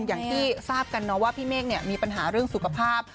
อย่างที่ทราบกันเนาะว่าพี่เมฆมีปัญหาเรื่องสุขภาพ